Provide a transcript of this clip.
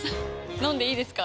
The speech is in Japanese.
飲んでいいですか？